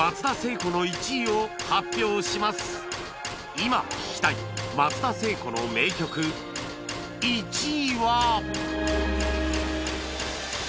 今聴きたい松田聖子の名曲１位は